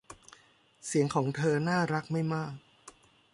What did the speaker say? เสียงของเธอน่ารักไม่มาก